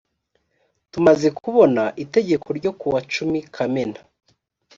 tumaze kubona itegeko n ryo kuwa cumi kamena